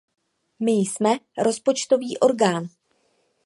My jsme rozpočtový orgán.